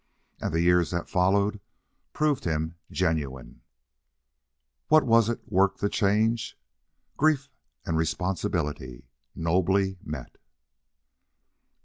And the years that followed proved him genuine. What was it worked the change? Grief and responsibility, nobly met.